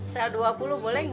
saya dua puluh boleh nggak